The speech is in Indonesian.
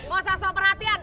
nggak usah soal perhatian